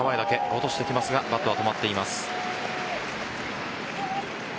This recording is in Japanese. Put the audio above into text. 落としてきますがバットは止まっています。